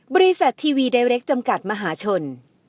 บริษัททีวีไดเรคจำกัดมหาชน